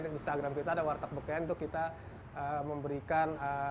di instagram kita ada warteg bkn untuk kita memberikan